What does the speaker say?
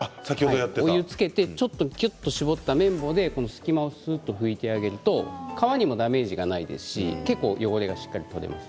お湯をつけてきゅっと絞った綿棒で隙間をさっと拭いてあげると革にもダメージがないですし結構汚れがしっかり取れます。